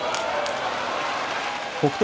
北勝